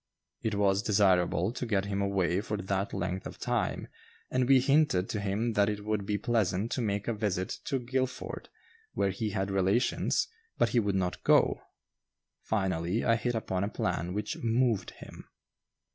It was desirable to get him away for that length of time, and we hinted to him that it would be pleasant to make a visit to Guilford, where he had relations, but he would not go. Finally, I hit upon a plan which "moved" him.